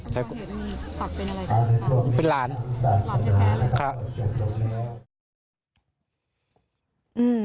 ใช้งานอะไร